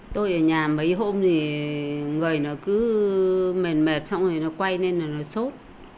tôi ở nhà mấy hôm thì người nó cứ mềm mệt xong rồi nó quay lên là nó sốt